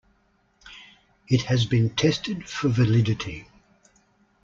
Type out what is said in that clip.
It has been tested for validity.